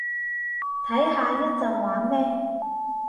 睇下一陣玩咩